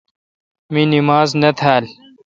می نماز نہ تھال۔